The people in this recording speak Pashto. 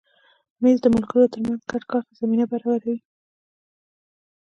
مېز د ملګرو تر منځ ګډ کار ته زمینه برابروي.